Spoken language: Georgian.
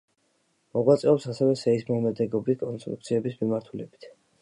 მოღვაწეობს ასევე სეისმომედეგობის კონსტრუქციების მიმართულებით.